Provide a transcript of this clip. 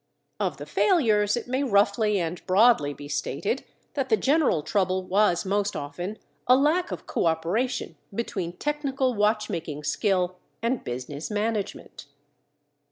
Of the failures, it may roughly and broadly be stated that the general trouble was most often a lack of cooperation between technical watch making skill and business management.